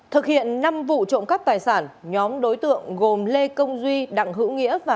thực hiện năm vụ trộm cắp tài sản nhóm đối tượng gồm lê công duy đặng hữu nghĩa và huỳnh thái vương